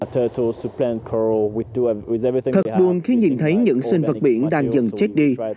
thật buồn khi nhìn thấy những sinh vật biển đang dần chết đi